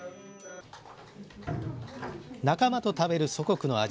仲間と食べる祖国の味。